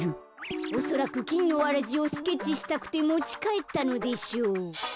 おそらくきんのわらじをスケッチしたくてもちかえったのでしょう。